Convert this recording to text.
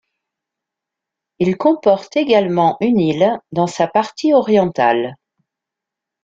Il comporte également une île dans sa partie orientale.